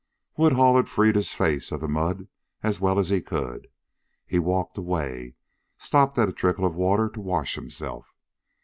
Woodhull had freed his face of the mud as well as he could. He walked away, stooped at a trickle of water to wash himself.